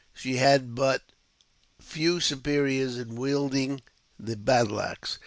She had but few superiors in wielding the battle axe.